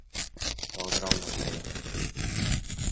To ogromna szkoda